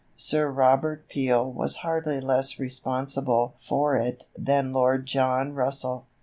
Sir Robert Peel was hardly less responsible for it than Lord John Russell.